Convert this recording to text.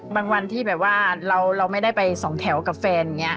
วันที่แบบว่าเราไม่ได้ไปสองแถวกับแฟนอย่างนี้